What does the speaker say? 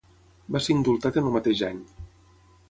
Va ser indultat en el mateix any.